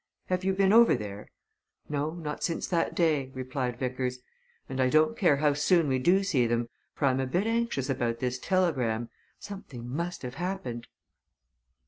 "Have you been over there?" "No not since that day," replied Vickers. "And I don't care how soon we do see them, for I'm a bit anxious about this telegram. Something must have happened."